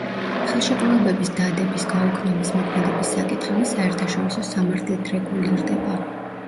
ხელშეკრულებების დადების, გაუქმების, მოქმედების საკითხები საერთაშორისო სამართლით რეგულირდება.